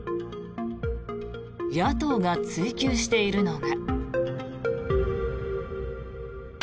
野党が追及しているのが。